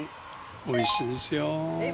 美味しいですよ。